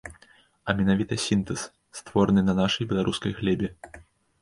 А менавіта сінтэз, створаны на нашай беларускай глебе.